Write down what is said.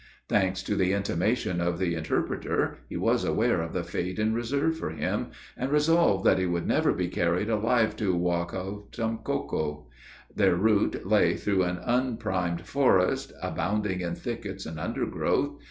Thanks to the intimation of the interpreter, he was aware of the fate in reserve for him, and resolved that he would never be carried alive to Waughcotomoco. Their route lay through an unprimed forest, abounding in thickets and undergrowth.